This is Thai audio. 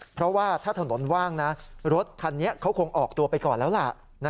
เพราะว่าถ้าถนนว่างนะรถคันนี้เขาคงออกตัวไปก่อนแล้วล่ะ